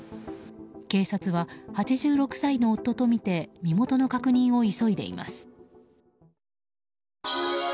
警察は８６歳の夫とみて身元の確認を急いでいます。